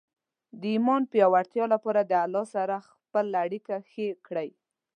د ایمان پیاوړتیا لپاره د الله سره خپل اړیکه ښې کړئ.